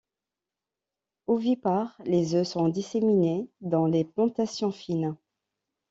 Ovipare, les œufs sont disséminés dans les plantations fines.